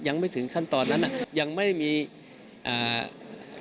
อย่างไม่ถึงขั้นตอนนั้นอ่ะลองไม่ดวง